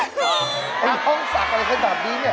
อ้างนี้ต้องยัดมันแล้วค้าโชนสักเรื่อยทั่วเนี่ย